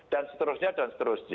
dan seterusnya dan seterusnya